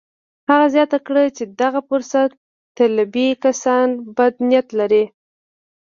هغه زياته کړه چې دغه فرصت طلبي کسان بد نيت لري.